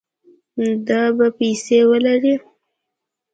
دا به پیسې ولري